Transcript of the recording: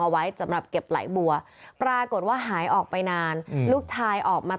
ไว้สำหรับเก็บไหลบัวปรากฏว่าหายออกไปนานลูกชายออกมา